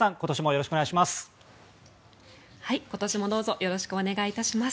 よろしくお願いします。